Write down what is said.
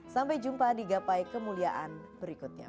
sampai jumpa di gapai kemuliaan berikutnya